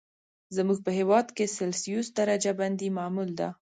زموږ په هېواد کې سلسیوس درجه بندي معمول ده.